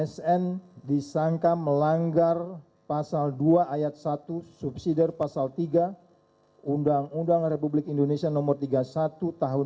tujuh sn disangka melanggar pasal dua ayat satu subsider pasal tiga undang undang republik indonesia no tiga puluh satu tahun seribu sembilan ratus sembilan puluh sembilan